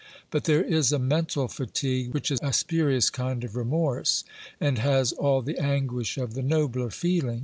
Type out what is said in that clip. But there is a mental fatigue which is a spurious kind of remorse, and has all the anguish of the nobler feeling.